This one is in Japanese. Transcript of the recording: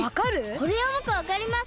これはぼくわかります！